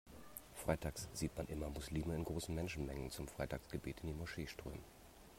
Freitags sieht man immer Muslime in großen Menschenmengen zum Freitagsgebet in die Moschee strömen.